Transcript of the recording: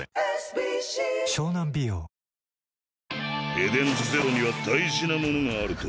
エデンズゼロには大事なものがあると。